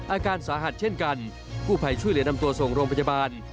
อาการสาหัสเช่นกันกู้ภัยช่วยเหลือนำตัวส่งโรงพยาบาล